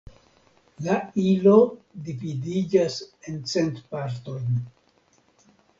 La ilo dividiĝas en cent partojn.